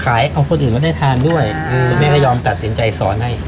เอาคนอื่นมาได้ทานด้วยแล้วแม่ก็ยอมตัดสินใจสอนให้